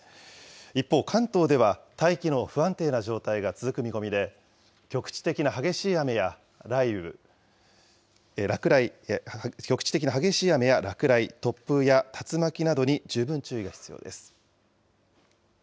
一方、関東では大気の不安定な状態が続く見込みで、局地的な激しい雨や雷雨、局地的な激しい雨や落雷、突風や竜巻などに十分注意が必要です。